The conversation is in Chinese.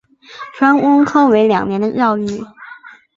专攻科为两年的教育。